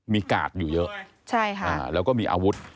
มีกาดอยู่เยอะแล้วก็มีอาวุธ